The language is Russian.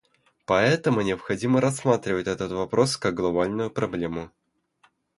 Поэтому необходимо рассматривать этот вопрос как глобальную проблему.